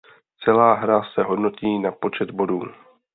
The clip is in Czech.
Celá hra se hodnotí na počet bodů.